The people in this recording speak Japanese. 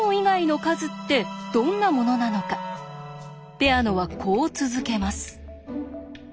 ペアノはこう続けます。